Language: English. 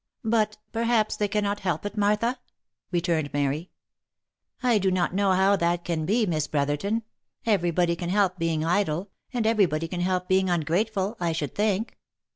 But, perhaps, they cannot help it, Martha?" returned Mary. " I do not know how that can be, Miss Brotherton ; every body can help being idle, and everv body can help being ungrateful, I should think."